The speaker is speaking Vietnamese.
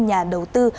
nhà đầu tư